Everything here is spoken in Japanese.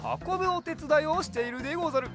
おてつだいをしているでござる。